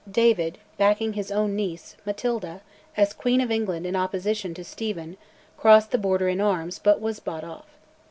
David, backing his own niece, Matilda, as Queen of England in opposition to Stephen, crossed the Border in arms, but was bought off.